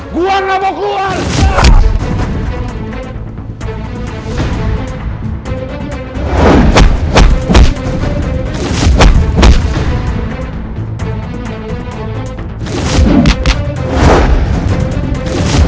gua ga mau keluar